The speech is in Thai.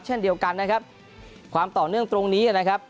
เช่นเดียวกันนะครับความต่อเนื่องตรงนี้นะครับ